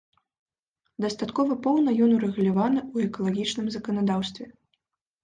Дастаткова поўна ён урэгуляваны ў экалагічным заканадаўстве.